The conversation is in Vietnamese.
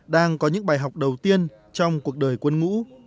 đang có những bài học đầu tiên trong cuộc đời quân ngũ